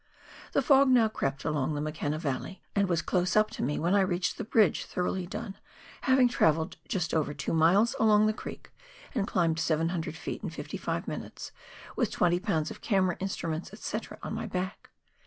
The fog now crept along the McKenna valley, and was close up to me when I reached the bridge thoroughly done, having travelled just over two miles along the creek, and climbed 700 ft. in 55 minutes, with 20 lbs. of camera, instruments, &c,, on my back.